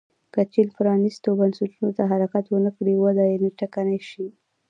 که چین پرانیستو بنسټونو ته حرکت ونه کړي وده یې ټکنۍ شي.